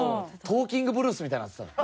「トーキングブルース」みたいになってたもん。